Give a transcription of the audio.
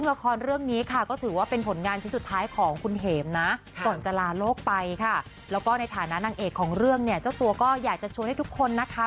แล้วก็ในฐานะนางเอกของเรื่องเนี่ยเจ้าตัวก็อยากจะโชว์ให้ทุกคนนะคะ